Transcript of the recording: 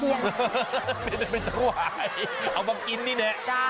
ไม่ได้ไปถวายเอามากินนี่แหละ